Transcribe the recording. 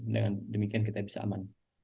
dengan demikian kita bisa aman